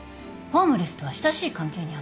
ホームレスとは親しい関係にあった。